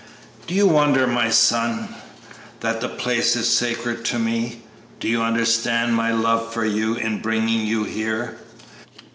Do you wonder, my son, that the place is sacred to me? Do you understand my love for you in bringing you here?"